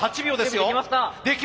準備できました！